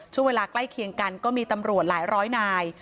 ช่วงเวลาใกล้เคียงกันก็มีตำรวจหลายร้อยนาย